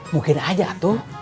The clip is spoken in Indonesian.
mungkin aja tuh